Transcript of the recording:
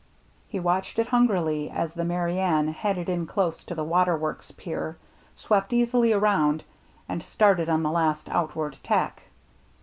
He watched it hungrily as the Merry Anney headed in close to the waterworks pier, swept easily around, and started on the last outward tack.